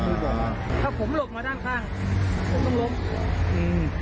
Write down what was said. ครับถ้าผมหลบมาด้านข้างต้องลบอืม